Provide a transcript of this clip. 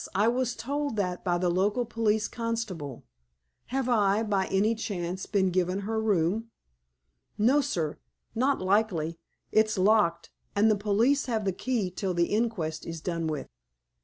I was told that by the local police constable. Have I, by any chance, been given her room?" "No, sir. Not likely. It's locked, and the police have the key till the inquest is done with."